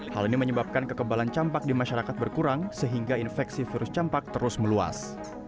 hal ini menyebabkan kekebalan campak di masyarakat berkurang sehingga infeksi virus campak terus meluas